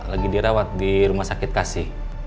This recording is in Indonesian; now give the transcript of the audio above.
lagi dirawat di rumah sakit kasih